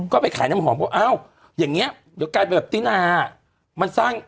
ก็ไปขายน้ำหอมเพราะว่าอ้าวอย่างนี้เดี๋ยวกันแบบติ๊นา